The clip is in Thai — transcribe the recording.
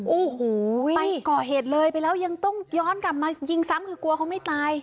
โอ้โหไปก่อเหตุเลยไปแล้วยังต้องย้อนกลับมายิงซ้ำคือกลัวเขาไม่ตาย